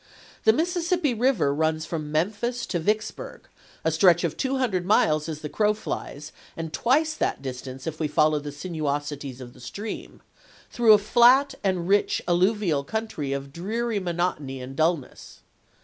The Missis sippi Eiver runs from Memphis to Vicksburg (a stretch of two hundred miles as the crow flies, and twice that distance if we follow the sinuosities of the stream), through a flat and rich alluvial country of a dreary monotony and dullness.